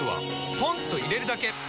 ポンと入れるだけ！